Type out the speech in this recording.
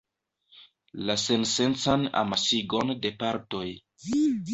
La sensencan amasigon de partoj.